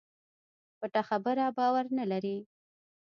پټه خبره باور نه لري.